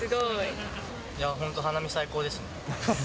本当、花見最高ですね。